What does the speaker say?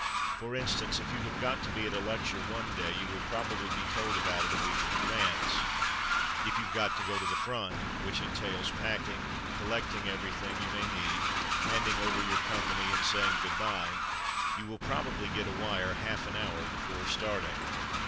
For instance, if you have got to be at a lecture one day, you will probably be told about it a week in advance. If youVe got to go to the front — ^which entails pack ing, collecting everything you may need, handing over your , company, and saying <*f^ good bye — you will probably get a wire half an hour before starting.